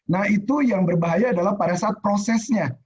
nah itu yang berbahaya adalah pada saat prosesnya